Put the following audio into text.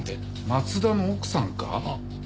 松田の奥さんか？